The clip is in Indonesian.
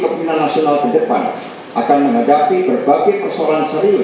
terpopuler untuk memberikan tayang dan beberapa khusus dalam khususnya